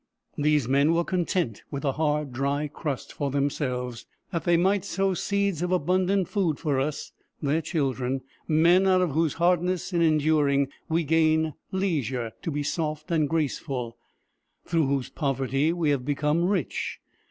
These men were content with the hard, dry crust for themselves, that they might sow seeds of abundant food for us, their children; men out of whose hardness in enduring we gain leisure to be soft and graceful, through whose poverty we have become rich.